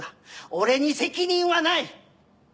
俺に責任はない！